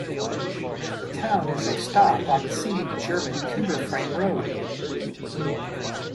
The town is a stop on the scenic German Timber-Frame Road.